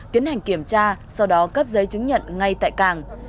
tiến hành kiểm tra sau đó cấp giấy chứng nhận ngay tại càng